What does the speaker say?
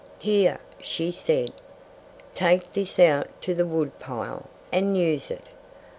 "Here!" she said. "Take this out to the wood pile and use it!